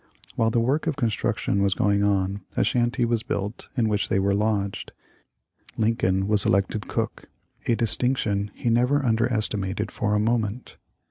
While the work of construction was going on a shanty was built in which they were lodged. Lin coln was elected cook, a distinction he never under estimated for a moment.